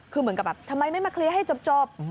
คือเหมือนกับแบบทำไมไม่มาเคลียร์ให้จบ